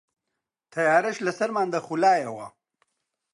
تەیارەش لە سەرمان دەخولایەوە